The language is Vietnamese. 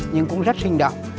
nhưng cũng rất sinh động